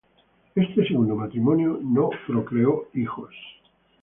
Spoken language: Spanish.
Ese segundo matrimonio, no procrearon hijos.